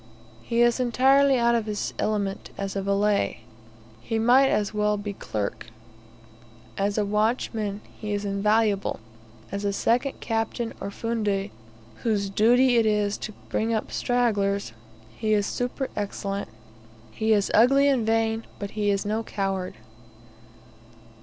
He is entirely out of his element as valet, he might as well be clerk. As a watchman he is invaluable, as a second captain or fundi, whose duty it is to bring up stragglers, he is superexcellent. He is ugly and vain, but he is no coward.